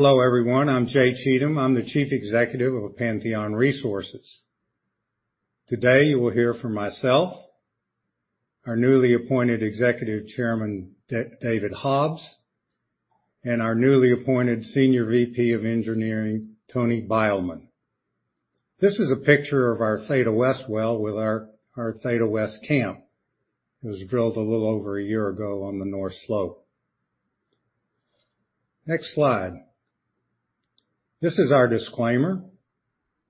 Hello, everyone. I'm Jay Cheatham. I'm the Chief Executive of Pantheon Resources. Today, you will hear from myself, our newly appointed Executive Chairman, David Hobbs, and our newly appointed Senior VP of Engineering, Tony Beilman. This is a picture of our Theta West well with our Theta West camp. It was drilled a little over a year ago on the North Slope. Next slide. This is our disclaimer.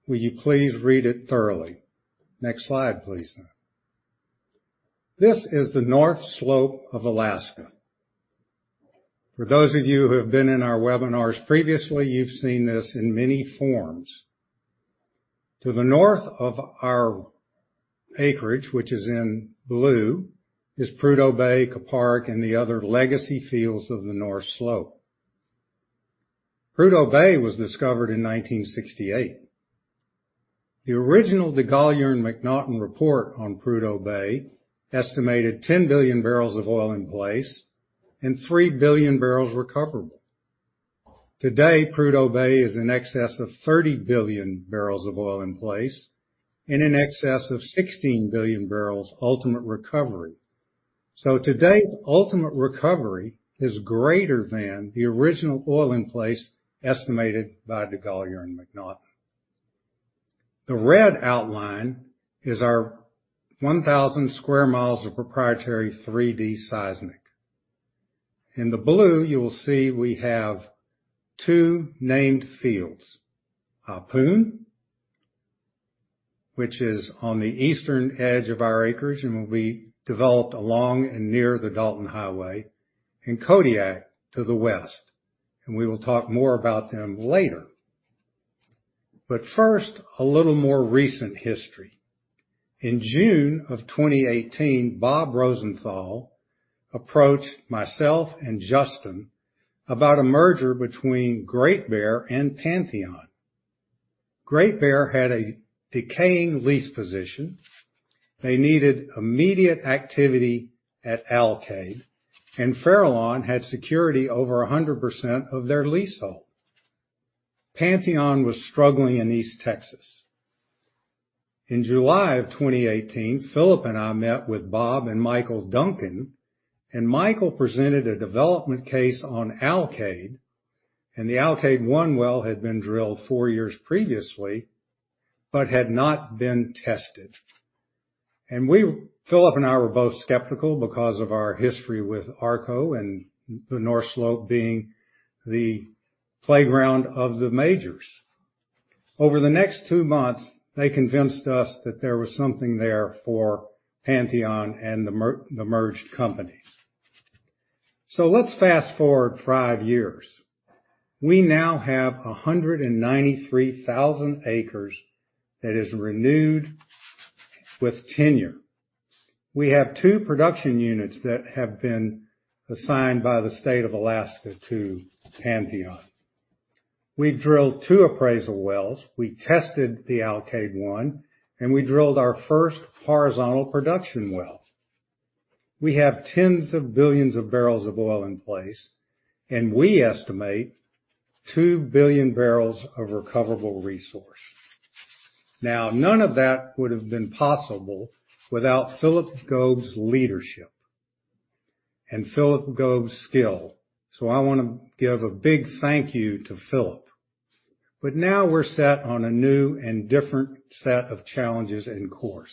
Will you please read it thoroughly? Next slide, please. This is the North Slope of Alaska. For those of you who have been in our webinars previously, you've seen this in many forms. To the north of our acreage, which is in blue, is Prudhoe Bay, Kuparuk, and the other legacy fields of the North Slope. Prudhoe Bay was discovered in 1968. The original DeGolyer and MacNaughton report on Prudhoe Bay estimated 10 billion barrels of oil in place and 3 billion barrels recoverable. Today, Prudhoe Bay is in excess of 30 billion barrels of oil in place and in excess of 16 billion barrels ultimate recovery. To date, ultimate recovery is greater than the original oil in place estimated by DeGolyer and MacNaughton. The red outline is our 1,000 sq mi of proprietary three-D seismic. In the blue, you will see we have two named fields, Ahpun, which is on the eastern edge of our acreage and will be developed along and near the Dalton Highway, and Theta to the west, and we will talk more about them later. First, a little more recent history. In June of 2018, Bob Rosenthal approached myself and Justin about a merger between Great Bear and Pantheon. Great Bear had a decaying lease position. They needed immediate activity at Alkaid, and Farallon had security over 100% of their leasehold. Pantheon was struggling in East Texas. In July 2018, Philip and I met with Bob and Michael Duncan, and Michael presented a development case on Alkaid, and the Alkaid #1 well had been drilled four years previously, but had not been tested. Phillip and I were both skeptical because of our history with ARCO and the North Slope being the playground of the majors. Over the next two months, they convinced us that there was something there for Pantheon and the merged companies. Let's fast-forward five years. We now have 193,000 acres that is renewed with tenure. We have two production units that have been assigned by the state of Alaska to Pantheon. We've drilled 2 appraisal wells. We tested the Alkaid #1, and we drilled our first horizontal production well. We have tens of billions of barrels of oil in place, and we estimate 2 billion barrels of recoverable resource. Now, none of that would have been possible without Phillip Gobe's leadership and Phillip Gobe's skill. I wanna give a big thank you to Phillip. Now we're set on a new and different set of challenges and course.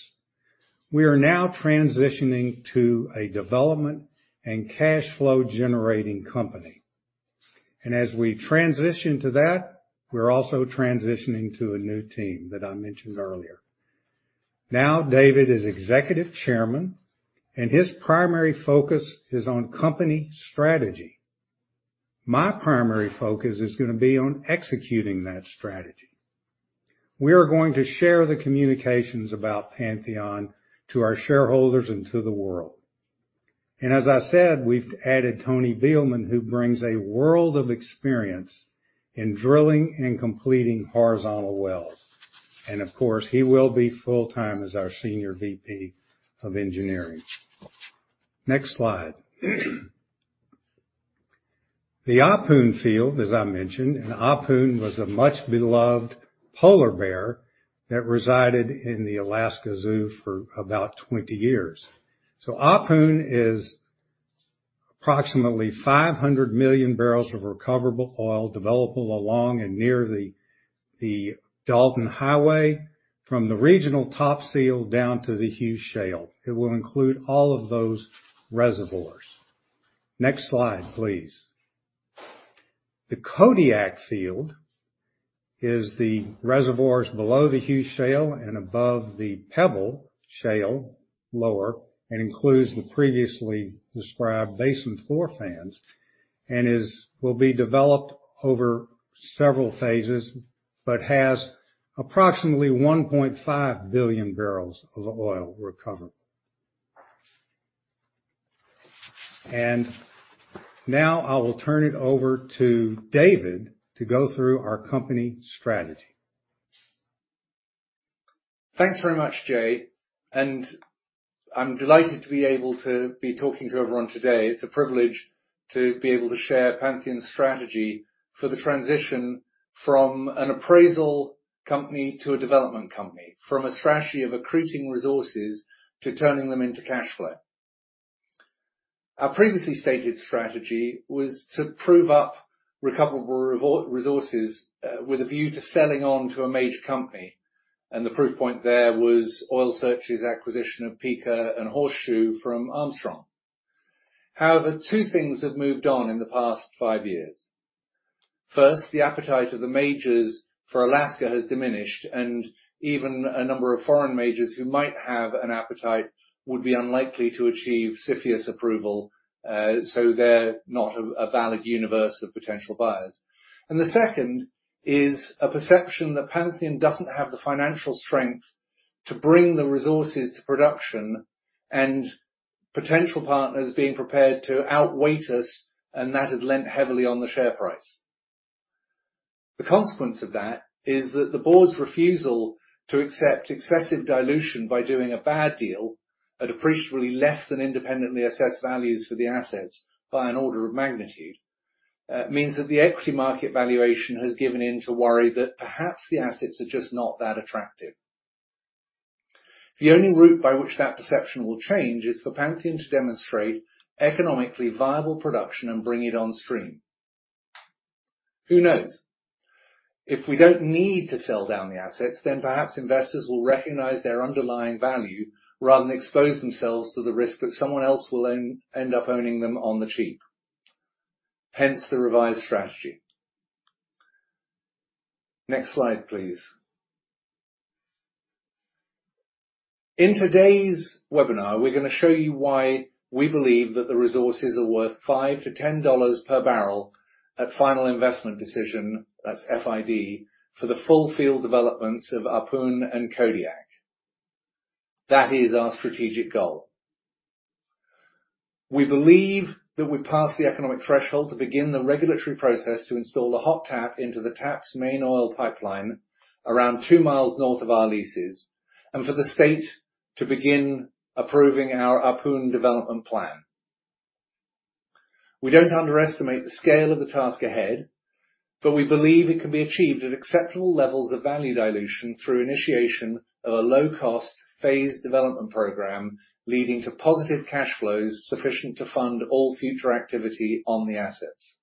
We are now transitioning to a development and cash flow generating company. As we transition to that, we're also transitioning to a new team that I mentioned earlier. Now, David is Executive Chairman, and his primary focus is on company strategy. My primary focus is gonna be on executing that strategy. We are going to share the communications about Pantheon to our shareholders and to the world. As I said, we've added Tony Beilman, who brings a world of experience in drilling and completing horizontal wells. Of course, he will be full-time as our Senior VP of Engineering. Next slide. The Ahpun field, as I mentioned, and Ahpun was a much beloved polar bear that resided in the Alaska Zoo for about 20 years. Ahpun is approximately 500 million barrels of recoverable oil developable along and near the Dalton Highway from the regional top seal down to the Hue Shale. It will include all of those reservoirs. Next slide, please. The Kodiak field is the reservoirs below the Hue Shale and above the Pebble Shale lower, and includes the previously described basin floor fans and will be developed over several phases, but has approximately 1.5 billion barrels of oil recoverable. Now I will turn it over to David to go through our company strategy. Thanks very much, Jay, and I'm delighted to be able to be talking to everyone today. It's a privilege to be able to share Pantheon's strategy for the transition from an appraisal company to a development company, from a strategy of accruing resources to turning them into cash flow. Our previously stated strategy was to prove up recoverable resources with a view to selling on to a major company, and the proof point there was Oil Search's acquisition of Pikka and Horseshoe from Armstrong. However, two things have moved on in the past five years. First, the appetite of the majors for Alaska has diminished, and even a number of foreign majors who might have an appetite would be unlikely to achieve CFIUS approval, so they're not a valid universe of potential buyers. The second is a perception that Pantheon doesn't have the financial strength to bring the resources to production and potential partners being prepared to outwait us, and that has lent heavily on the share price. The consequence of that is that the board's refusal to accept excessive dilution by doing a bad deal at appreciably less than independently assessed values for the assets by an order of magnitude means that the equity market valuation has given in to worry that perhaps the assets are just not that attractive. The only route by which that perception will change is for Pantheon to demonstrate economically viable production and bring it on stream. Who knows? If we don't need to sell down the assets, then perhaps investors will recognize their underlying value rather than expose themselves to the risk that someone else will own, end up owning them on the cheap. Hence, the revised strategy. Next slide, please. In today's webinar, we're gonna show you why we believe that the resources are worth $5-$10 per barrel at final investment decision, that's FID, for the full field developments of Ahpun and Kodiak. That is our strategic goal. We believe that we passed the economic threshold to begin the regulatory process to install the hot tap into the TAPS main oil pipeline around 2 miles north of our leases, and for the state to begin approving our Ahpun development plan. We don't underestimate the scale of the task ahead, but we believe it can be achieved at acceptable levels of value dilution through initiation of a low-cost phased development program, leading to positive cash flows sufficient to fund all future activity on the assets.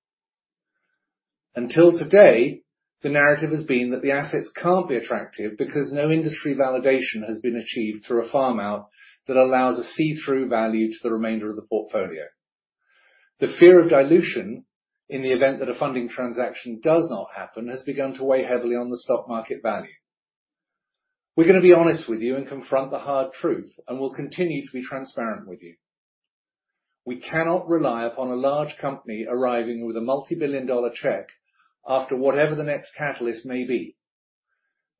Until today, the narrative has been that the assets can't be attractive because no industry validation has been achieved through a farm-out that allows a see-through value to the remainder of the portfolio. The fear of dilution in the event that a funding transaction does not happen has begun to weigh heavily on the stock market value. We're gonna be honest with you and confront the hard truth, and we'll continue to be transparent with you. We cannot rely upon a large company arriving with a multi-billion dollar check after whatever the next catalyst may be.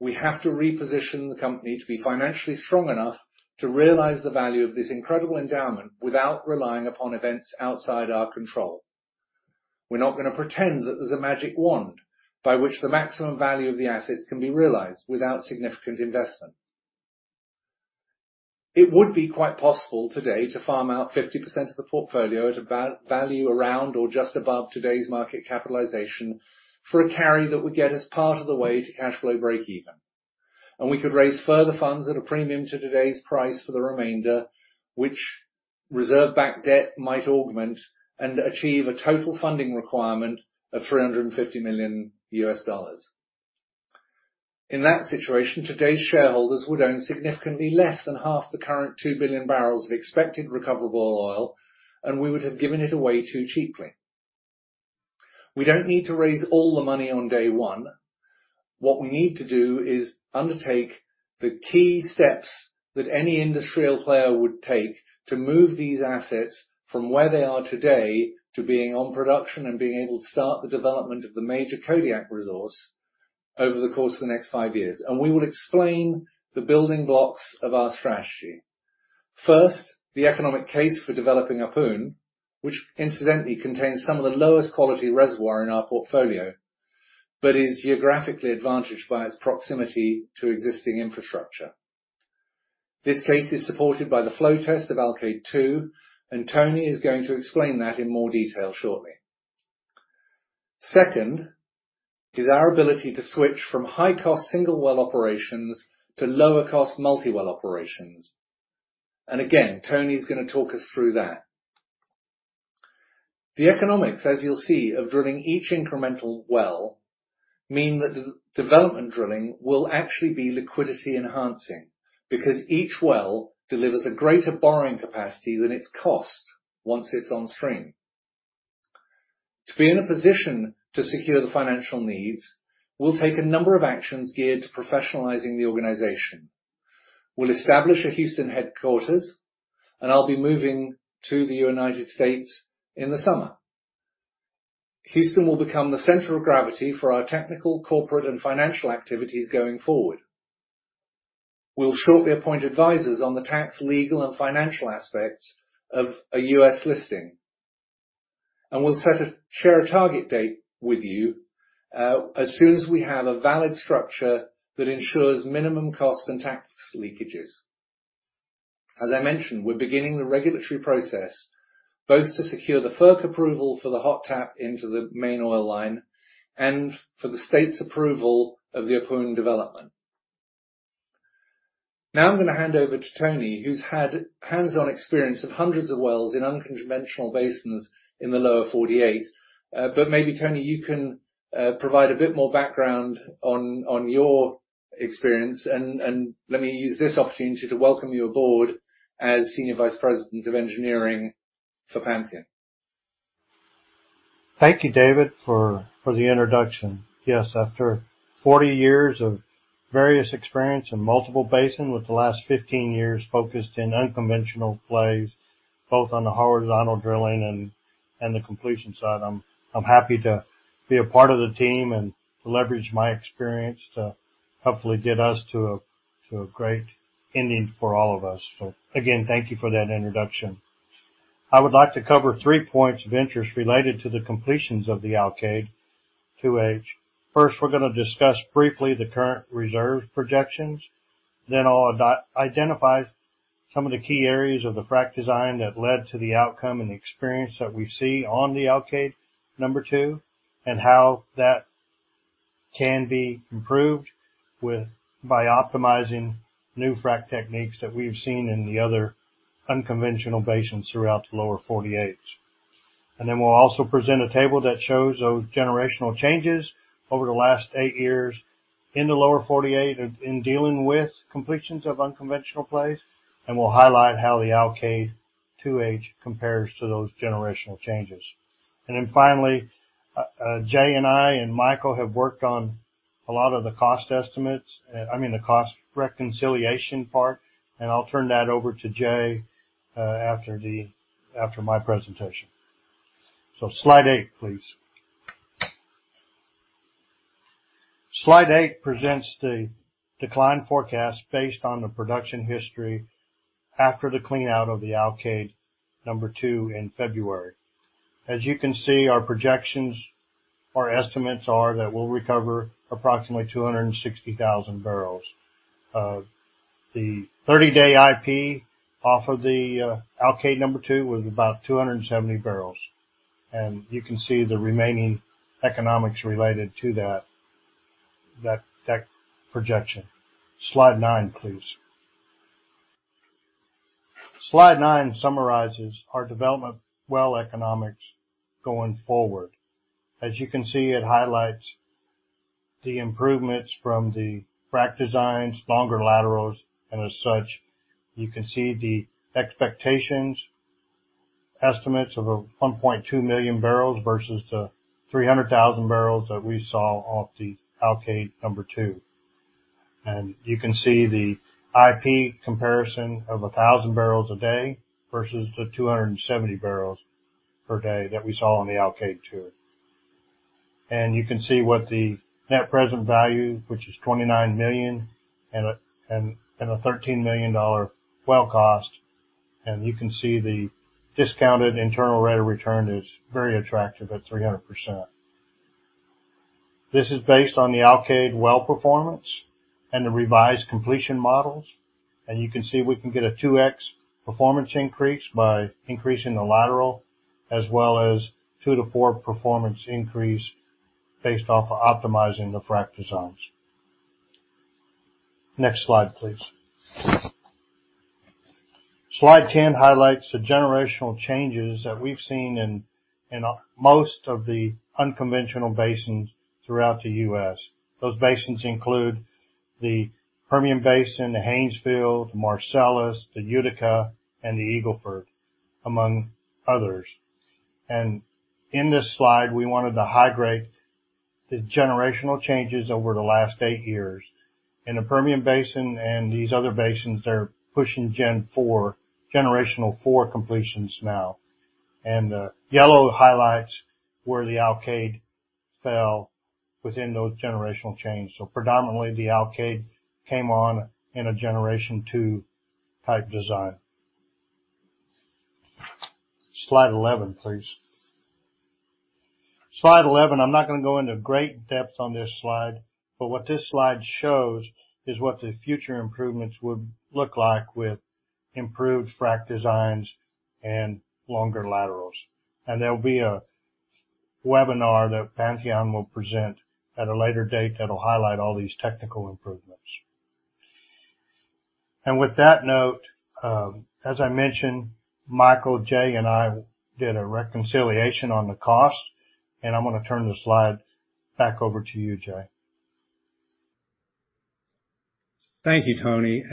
We have to reposition the company to be financially strong enough to realize the value of this incredible endowment without relying upon events outside our control. We're not gonna pretend that there's a magic wand by which the maximum value of the assets can be realized without significant investment. It would be quite possible today to farm out 50% of the portfolio at a value around or just above today's market capitalization for a carry that would get us part of the way to cash flow breakeven. We could raise further funds at a premium to today's price for the remainder, which reserve-backed debt might augment and achieve a total funding requirement of $350 million. In that situation, today's shareholders would own significantly less than half the current 2 billion barrels of expected recoverable oil, and we would have given it away too cheaply. We don't need to raise all the money on day one. What we need to do is undertake the key steps that any industrial player would take to move these assets from where they are today to being on production and being able to start the development of the major Kodiak resource over the course of the next five years. We will explain the building blocks of our strategy. First, the economic case for developing Ahpun, which incidentally contains some of the lowest quality reservoir in our portfolio, but is geographically advantaged by its proximity to existing infrastructure. This case is supported by the flow test of Alkaid #2, and Tony is going to explain that in more detail shortly. Second is our ability to switch from high-cost single well operations to lower cost multi-well operations. Again, Tony's gonna talk us through that. The economics, as you'll see, of drilling each incremental well mean that de-development drilling will actually be liquidity enhancing because each well delivers a greater borrowing capacity than its cost once it's onstream. To be in a position to secure the financial needs, we'll take a number of actions geared to professionalizing the organization. We'll establish a Houston headquarters, and I'll be moving to the United States in the summer. Houston will become the center of gravity for our technical, corporate, and financial activities going forward. We'll shortly appoint advisors on the tax, legal, and financial aspects of a U.S. listing. We'll share a target date with you, as soon as we have a valid structure that ensures minimum costs and tax leakages. As I mentioned, we're beginning the regulatory process, both to secure the FERC approval for the hot tap into the main oil line and for the state's approval of the upcoming development. Now I'm gonna hand over to Tony, who's had hands-on experience of hundreds of wells in unconventional basins in the Lower forty-eight. Maybe, Tony, you can provide a bit more background on your experience and let me use this opportunity to welcome you aboard as Senior Vice President of Engineering for Pantheon. Thank you, David, for the introduction. Yes, after 40 years of various experience in multiple basins, with the last 15 years focused in unconventional plays, both on the horizontal drilling and the completion side, I'm happy to be a part of the team and leverage my experience to hopefully get us to a great ending for all of us. Again, thank you for that introduction. I would like to cover 3 points of interest related to the completions of the Alkaid 2H. First, we're gonna discuss briefly the current reserve projections. Then I'll identify some of the key areas of the frack design that led to the outcome and experience that we see on the Alkaid #2, and how that can be improved by optimizing new frack techniques that we've seen in the other unconventional basins throughout the Lower 48. Then we'll also present a table that shows those generational changes over the last 8 years in the lower 48 in dealing with completions of unconventional plays. We'll highlight how the Alkaid 2H compares to those generational changes. Finally, Jay and I, and Michael have worked on a lot of the cost estimates. I mean, the cost reconciliation part, and I'll turn that over to Jay after my presentation. Slide 8, please. Slide 8 presents the decline forecast based on the production history after the clean out of the Alkaid #2 in February. As you can see, our projections or estimates are that we'll recover approximately 260,000 barrels. The 30-day IP off of the Alkaid #2 was about 270 barrels. You can see the remaining economics related to that projection. Slide nine, please. Slide nine summarizes our development well economics going forward. As you can see, it highlights the improvements from the frack designs, longer laterals, and as such, you can see the expectations, estimates of 1.2 million barrels versus the 300,000 barrels that we saw off the Alkaid #2. You can see the IP comparison of 1,000 barrels a day versus the 270 barrels per day that we saw on the Alkaid 2. You can see what the net present value, which is $29 million and a $13 million well cost. You can see the discounted internal rate of return is very attractive at 300%. This is based on the Alkaid well performance and the revised completion models, and you can see we can get a 2x performance increase by increasing the lateral as well as 2-4 performance increase based off of optimizing the frack designs. Next slide, please. Slide 10 highlights the generational changes that we've seen in most of the unconventional basins throughout the U.S. Those basins include the Permian Basin, the Haynesville, the Marcellus, the Utica, and the Eagle Ford, among others. In this slide, we wanted to highlight the generational changes over the last eight years. In the Permian Basin and these other basins, they're pushing gen 4, generation 4 completions now. The yellow highlights where the Alkaid fell within those generational changes. Predominantly, the Alkaid came on in a generation 2 type design. Slide 11, please. Slide eleven, I'm not gonna go into great depth on this slide, but what this slide shows is what the future improvements would look like with improved frack designs and longer laterals. There'll be a webinar that Pantheon will present at a later date that'll highlight all these technical improvements. With that note, as I mentioned, Michael, Jay, and I did a reconciliation on the cost, and I'm gonna turn the slide back over to you, Jay. Thank you, Tony.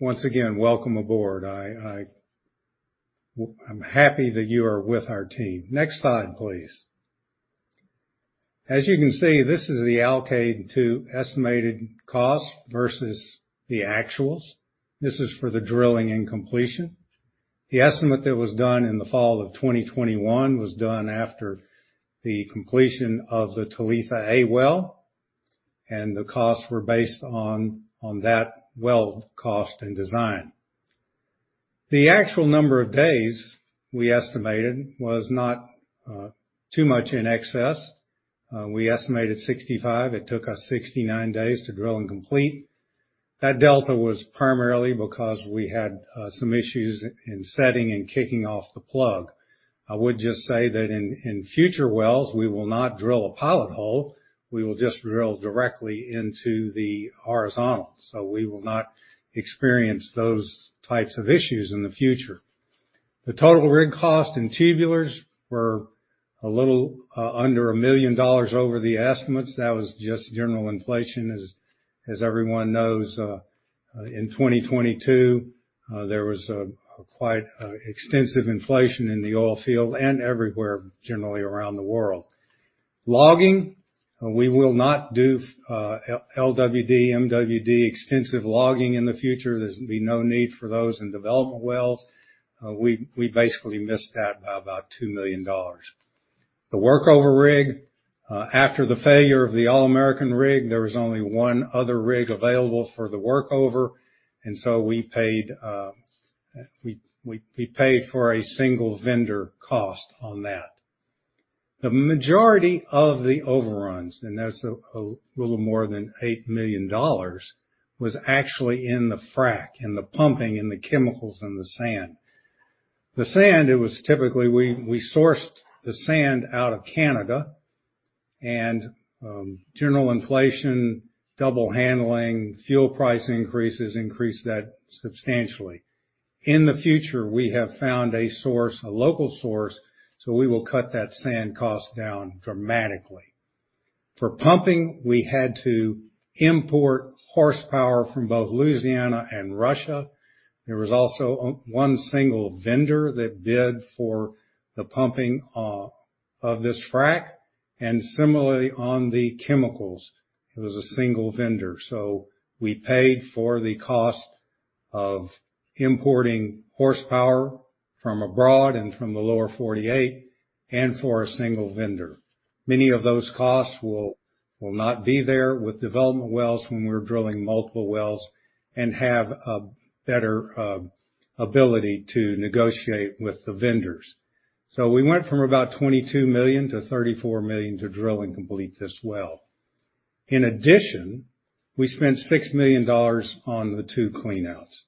Once again, welcome aboard. I'm happy that you are with our team. Next slide, please. As you can see, this is the Alkaid 2 estimated cost versus the actuals. This is for the drilling and completion. The estimate that was done in the fall of 2021 was done after the completion of the Talitha-A well. The costs were based on that well cost and design. The actual number of days we estimated was not too much in excess. We estimated 65, it took us 69 days to drill and complete. That delta was primarily because we had some issues in setting and kicking off the plug. I would just say that in future wells, we will not drill a pilot hole, we will just drill directly into the horizontal, so we will not experience those types of issues in the future. The total rig cost in tubulars were a little under $1 million over the estimates. That was just general inflation. As everyone knows, in 2022, there was a quite extensive inflation in the oil field and everywhere, generally around the world. Logging, we will not do LWD/MWD extensive logging in the future. There's no need for those in development wells. We basically missed that by about $2 million. The workover rig, after the failure of the All American rig, there was only one other rig available for the workover, and so we paid for a single vendor cost on that. The majority of the overruns, that's a little more than $8 million, was actually in the frack, in the pumping, in the chemicals, in the sand. The sand, it was typically we sourced the sand out of Canada, and general inflation, double handling, fuel price increases increased that substantially. In the future, we have found a source, a local source, so we will cut that sand cost down dramatically. For pumping, we had to import horsepower from both Louisiana and Russia. There was also one single vendor that bid for the pumping of this frack, and similarly on the chemicals, it was a single vendor. We paid for the cost of importing horsepower from abroad and from the Lower 48 and for a single vendor. Many of those costs will not be there with development wells when we're drilling multiple wells and have a better ability to negotiate with the vendors. We went from about $22 million-$34 million to drill and complete this well. In addition, we spent $6 million on the 2 clean outs.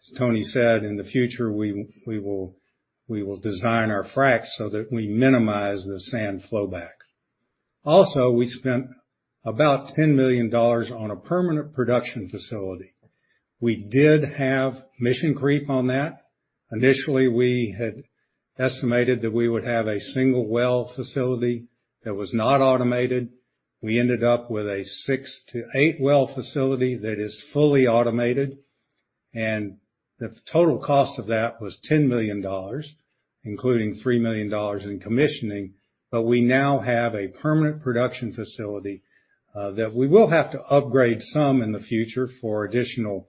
As Tony said, in the future, we will design our fracks so that we minimize the sand flowback. Also, we spent about $10 million on a permanent production facility. We did have mission creep on that. Initially, we had estimated that we would have a single well facility that was not automated. We ended up with a 6-8 well facility that is fully automated, and the total cost of that was $10 million, including $3 million in commissioning. We now have a permanent production facility that we will have to upgrade some in the future for additional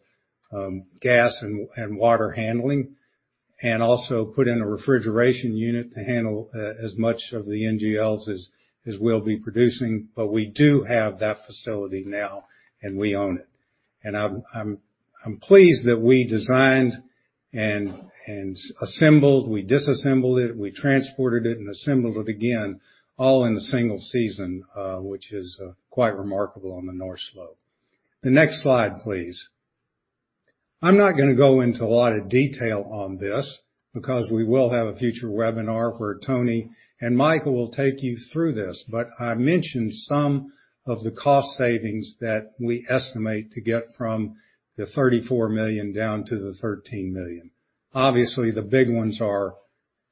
gas and water handling, and also put in a refrigeration unit to handle as much of the NGLs as we'll be producing. We do have that facility now, and we own it. I'm pleased that we designed and assembled, we disassembled it, we transported it and assembled it again, all in a single season, which is quite remarkable on the North Slope. The next slide, please. I'm not gonna go into a lot of detail on this because we will have a future webinar where Tony and Michael will take you through this. I mentioned some of the cost savings that we estimate to get from the 34 million down to the 13 million. Obviously, the big ones are,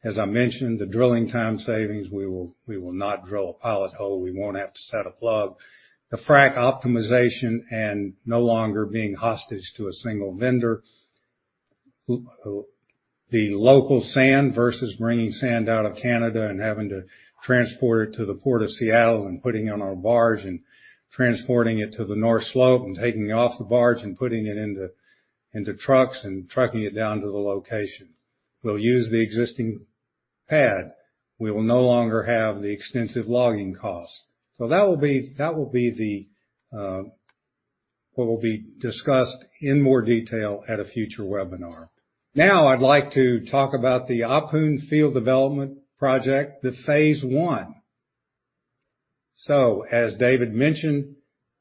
as I mentioned, the drilling time savings. We will not drill a pilot hole. We won't have to set a plug. The frack optimization and no longer being hostage to a single vendor. The local sand versus bringing sand out of Canada and having to transport it to the Port of Seattle and putting it on our barge and transporting it to the North Slope and taking it off the barge and putting it into trucks and trucking it down to the location. We'll use the existing pad. We will no longer have the extensive logging costs. That will be what will be discussed in more detail at a future webinar. Now I'd like to talk about the Ahpun Field Development Project, phase 1. As David mentioned,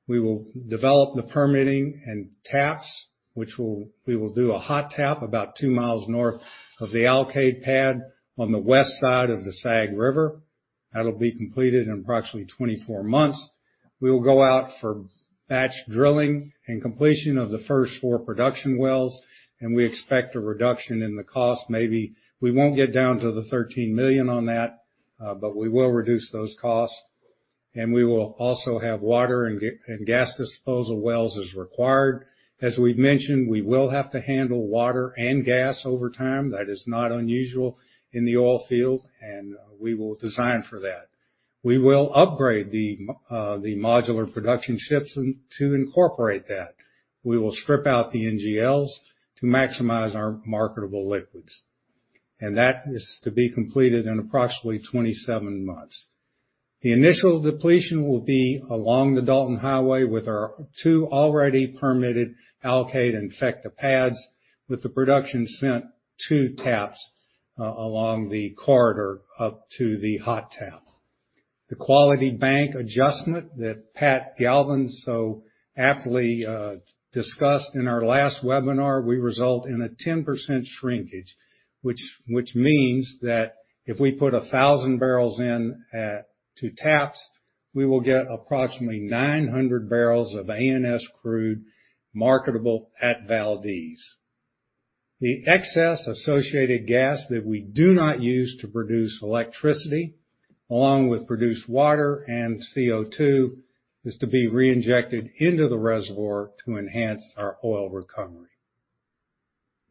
we will develop the permitting and TAPS. We will do a hot tap about 2 miles north of the Alkaid Pad on the west side of the Sagavanirktok River. That'll be completed in approximately 24 months. We will go out for batch drilling and completion of the first 4 production wells, and we expect a reduction in the cost. Maybe we won't get down to the $13 million on that, but we will reduce those costs. We will also have water and gas disposal wells as required. As we've mentioned, we will have to handle water and gas over time. That is not unusual in the oil field, and we will design for that. We will upgrade the modular production skids into incorporate that. We will strip out the NGLs to maximize our marketable liquids. That is to be completed in approximately 27 months. The initial depletion will be along the Dalton Highway with our two already permitted Alkaid and Theta pads, with the production sent to TAPS along the corridor up to the hot tap. The quality bank adjustment that Pat Galvin so aptly discussed in our last webinar will result in a 10% shrinkage, which means that if we put 1,000 barrels in at to TAPS, we will get approximately 900 barrels of ANS crude marketable at Valdez. The excess associated gas that we do not use to produce electricity, along with produced water and CO2, is to be reinjected into the reservoir to enhance our oil recovery.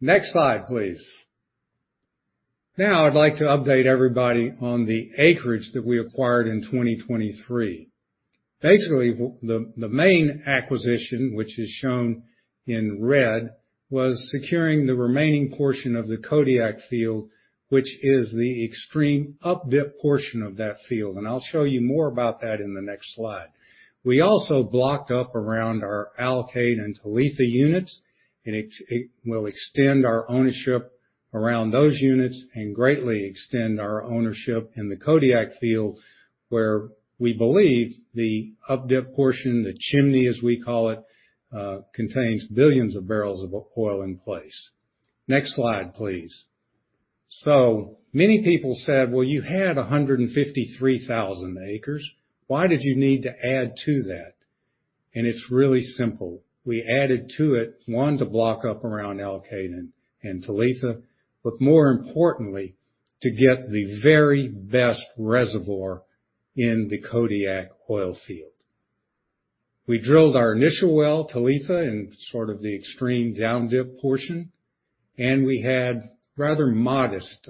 Next slide, please. Now I'd like to update everybody on the acreage that we acquired in 2023. Basically, the main acquisition, which is shown in red, was securing the remaining portion of the Kodiak field, which is the extreme up-dip portion of that field. I'll show you more about that in the next slide. We also blocked up around our Alkaid and Talitha units, and it will extend our ownership around those units and greatly extend our ownership in the Kodiak field, where we believe the up-dip portion, the chimney, as we call it, contains billions of barrels of oil in place. Next slide, please. Many people said, "Well, you had 153,000 acres. Why did you need to add to that?" It's really simple. We added to it, one, to block up around Alkaid and Talitha, but more importantly, to get the very best reservoir in the Kodiak oil field. We drilled our initial well, Talitha, in sort of the extreme down-dip portion, and we had rather modest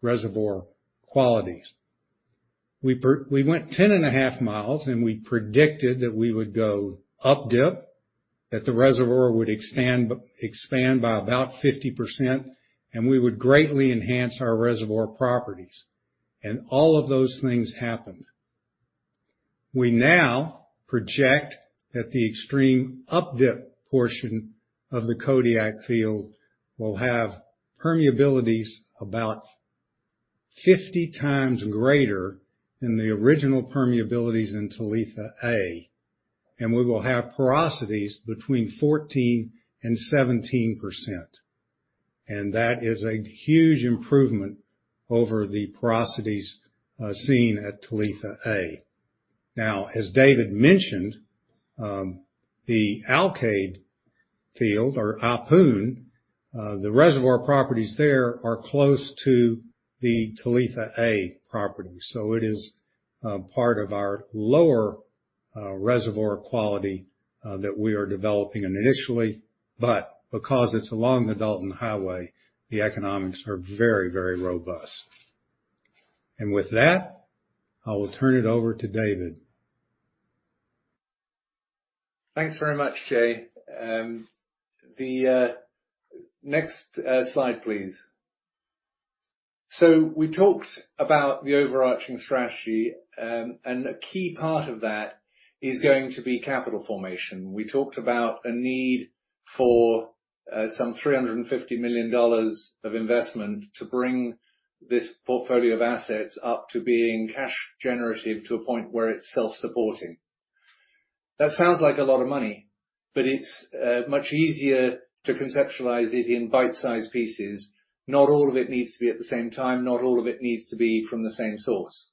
reservoir qualities. We went 10.5 miles, and we predicted that we would go up-dip, that the reservoir would expand by about 50%, and we would greatly enhance our reservoir properties. All of those things happened. We now project that the extreme up-dip portion of the Kodiak field will have permeabilities about 50 times greater than the original permeabilities in Talitha A, and we will have porosities between 14% and 17%. That is a huge improvement over the porosities seen at Talitha A. Now, as David mentioned, the Alkaid field or Ahpun, the reservoir properties there are close to the Talitha A property. It is part of our lower reservoir quality that we are developing initially, but because it's along the Dalton Highway, the economics are very, very robust. With that, I will turn it over to David. Thanks very much, Jay. The next slide, please. We talked about the overarching strategy, and a key part of that is going to be capital formation. We talked about a need for some $350 million of investment to bring this portfolio of assets up to being cash generative to a point where it's self-supporting. That sounds like a lot of money, but it's much easier to conceptualize it in bite-sized pieces. Not all of it needs to be at the same time. Not all of it needs to be from the same source.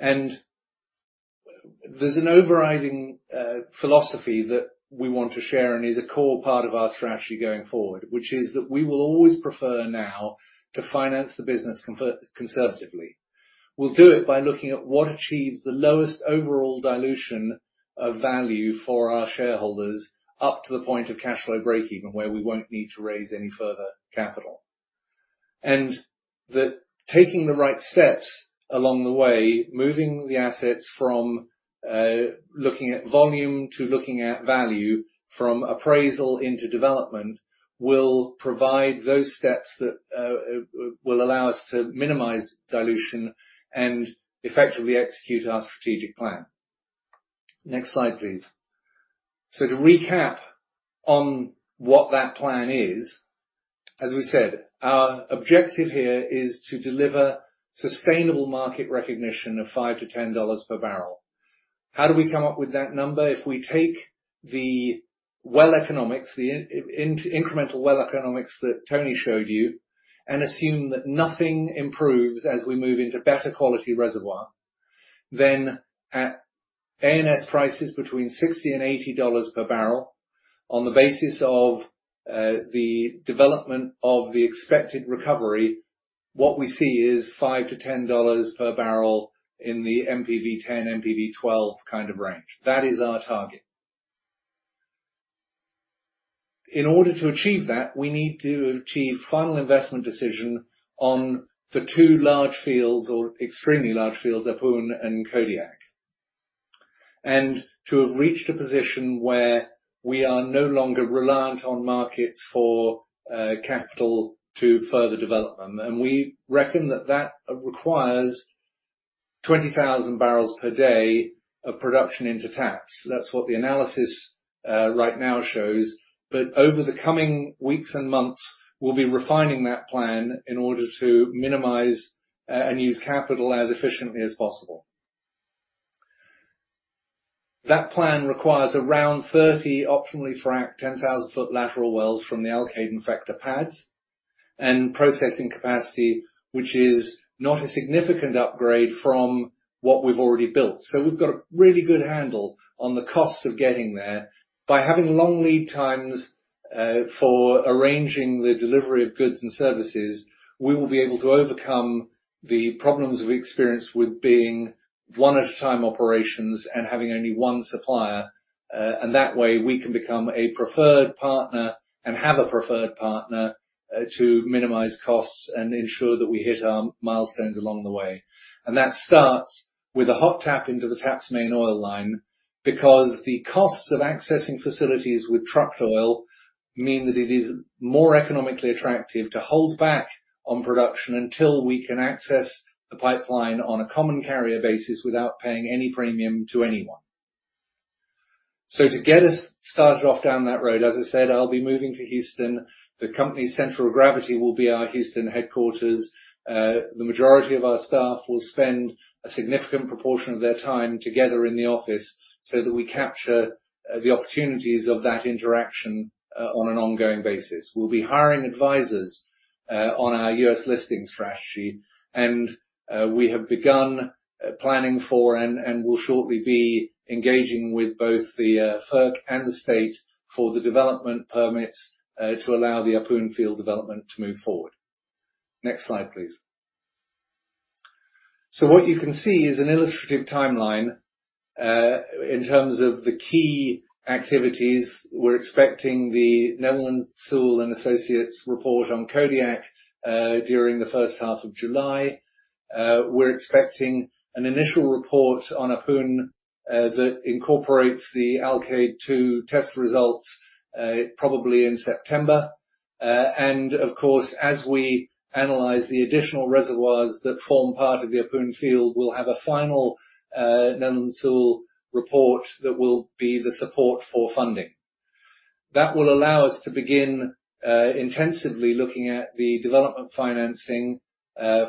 There's an overriding philosophy that we want to share and is a core part of our strategy going forward, which is that we will always prefer now to finance the business conservatively. We'll do it by looking at what achieves the lowest overall dilution of value for our shareholders, up to the point of cash flow breakeven, where we won't need to raise any further capital. That taking the right steps along the way, moving the assets from looking at volume to looking at value, from appraisal into development, will provide those steps that will allow us to minimize dilution and effectively execute our strategic plan. Next slide, please. To recap on what that plan is, as we said, our objective here is to deliver sustainable market recognition of $5-$10 per barrel. How do we come up with that number? If we take the well economics, the incremental well economics that Tony showed you, and assume that nothing improves as we move into better quality reservoir, then at ANS prices between $60-$80 per barrel on the basis of the development of the expected recovery, what we see is $5-$10 per barrel in the NPV10, NPV12 kind of range. That is our target. In order to achieve that, we need to achieve final investment decision on the two large fields or extremely large fields, Ahpun and Kodiak. To have reached a position where we are no longer reliant on markets for capital to further development. We reckon that that requires 20,000 barrels per day of production into TAPS. That's what the analysis right now shows. Over the coming weeks and months, we'll be refining that plan in order to minimize and use capital as efficiently as possible. That plan requires around 30 optimally fracked 10,000-foot lateral wells from the Alkaid and Theta pads, and processing capacity, which is not a significant upgrade from what we've already built. We've got a really good handle on the costs of getting there. By having long lead times for arranging the delivery of goods and services, we will be able to overcome the problems we've experienced with being one at a time operations and having only one supplier. That way, we can become a preferred partner and have a preferred partner to minimize costs and ensure that we hit our milestones along the way. That starts with a hot tap into the TAPS main oil line, because the costs of accessing facilities with trucked oil mean that it is more economically attractive to hold back on production until we can access the pipeline on a common carrier basis without paying any premium to anyone. To get us started off down that road, as I said, I'll be moving to Houston. The company's center of gravity will be our Houston headquarters. The majority of our staff will spend a significant proportion of their time together in the office so that we capture the opportunities of that interaction on an ongoing basis. We'll be hiring advisors on our U.S. listing strategy, and we have begun planning for and will shortly be engaging with both the FERC and the state for the development permits to allow the Ahpun Field development to move forward. Next slide, please. What you can see is an illustrative timeline. In terms of the key activities, we're expecting the Netherland, Sewell & Associates report on Kodiak during the first half of July. We're expecting an initial report on Ahpun that incorporates the Alkaid 2 test results probably in September. And of course, as we analyze the additional reservoirs that form part of the Ahpun Field, we'll have a final Netherland, Sewell & Associates report that will be the support for funding. That will allow us to begin intensively looking at the development financing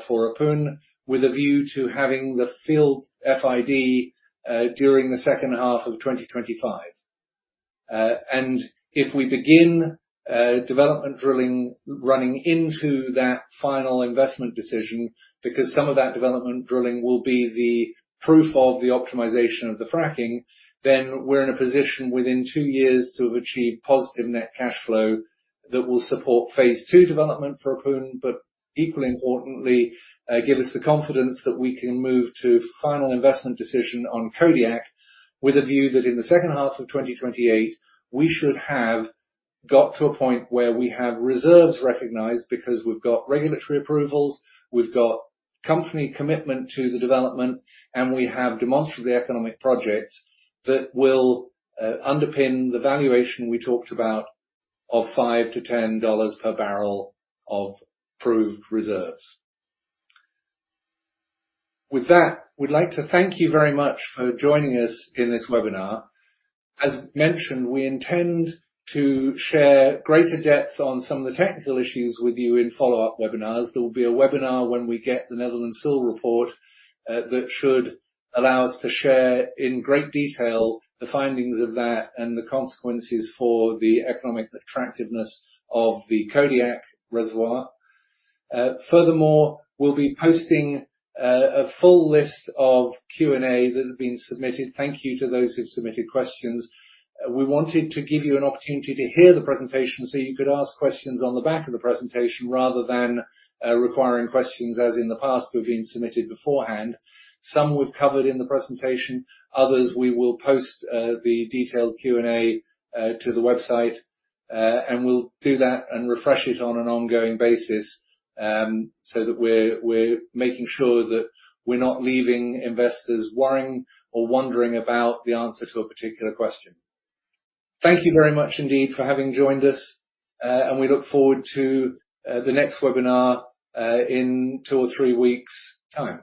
for Ahpun, with a view to having the field FID during the second half of 2025. If we begin development drilling running into that final investment decision because some of that development drilling will be the proof of the optimization of the fracking, then we're in a position within two years to have achieved positive net cash flow that will support phase two development for Ahpun. Equally importantly, give us the confidence that we can move to final investment decision on Kodiak with a view that in the second half of 2028, we should have got to a point where we have reserves recognized because we've got regulatory approvals, we've got company commitment to the development, and we have demonstrable economic projects that will underpin the valuation we talked about of $5-$10 per barrel of proved reserves. With that, we'd like to thank you very much for joining us in this webinar. As mentioned, we intend to share greater depth on some of the technical issues with you in follow-up webinars. There will be a webinar when we get the Netherland, Sewell report that should allow us to share in great detail the findings of that and the consequences for the economic attractiveness of the Kodiak Reservoir. Furthermore, we'll be posting a full list of Q&A that have been submitted. Thank you to those who've submitted questions. We wanted to give you an opportunity to hear the presentation so you could ask questions on the back of the presentation rather than requiring questions as in the past were being submitted beforehand. Some we've covered in the presentation. Others, we will post the detailed Q&A to the website. We'll do that and refresh it on an ongoing basis, so that we're making sure that we're not leaving investors worrying or wondering about the answer to a particular question. Thank you very much indeed for having joined us, and we look forward to the next webinar in two or three weeks time.